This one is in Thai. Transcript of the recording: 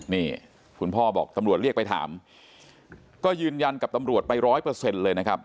นี่คุณพ่อบอกตำรวจเรียกไปถามก็ยืนยันกับตำรวจไปร้อยเปอร์เซ็นต์เลยนะครับ